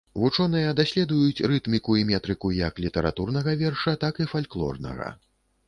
Вучоныя даследуюць рытміку і метрыку як літаратурнага верша, так і фальклорнага.